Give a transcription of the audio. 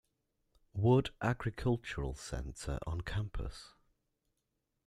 Wood Agricultural Center on campus.